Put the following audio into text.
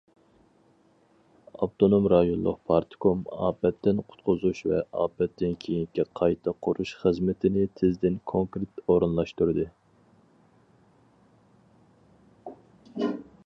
ئاپتونوم رايونلۇق پارتكوم ئاپەتتىن قۇتقۇزۇش ۋە ئاپەتتىن كېيىنكى قايتا قۇرۇش خىزمىتىنى تېزدىن كونكرېت ئورۇنلاشتۇردى.